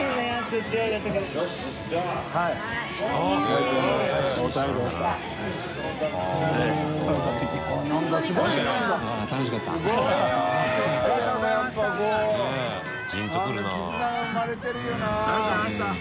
淵好織奪奸ありがとうございました。